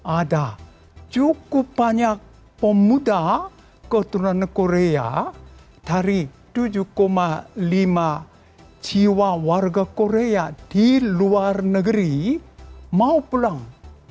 ada cukup banyak pemuda keturunan korea dari tujuh lima jiwa warga korea di luar negeri mau pulang